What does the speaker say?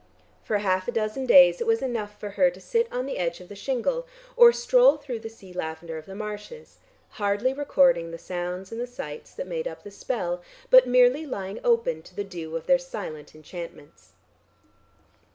For half a dozen days it was enough for her to sit on the edge of the shingle or stroll through the sea lavender of the marshes, hardly recording the sounds and the sights that made up the spell, but merely lying open to the dew of their silent enchantments.